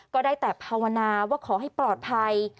ก็ได้แต่ภาวนาว่าขอให้ปลอดภัย